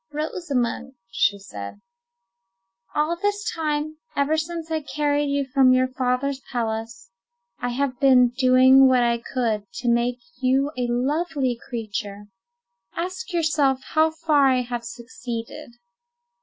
"Rosamond," she said, "all this time, ever since I carried you from your father's palace, I have been doing what I could to make you a lovely creature: ask yourself how far I have succeeded."